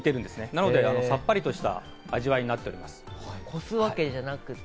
なので、さっぱりとした味わいになっております。